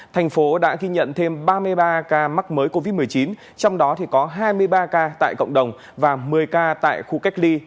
thành phố đã ghi nhận thêm ba mươi ba ca mắc mới covid một mươi chín trong đó có hai mươi ba ca tại cộng đồng và một mươi ca tại khu cách ly